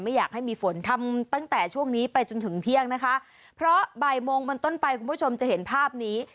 อยากให้มีฝนทำตั้งแต่ช่วงนี้ไปจนถึงเที่ยงนะคะเพราะบ่ายโมงบนต้นไปคุณผู้ชมจะเห็นภาพนี้